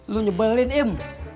lo nyebelin im